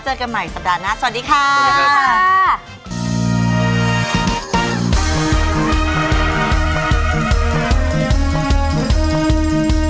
เจอกันใหม่สัปดาห์หน้าสวัสดีค่ะ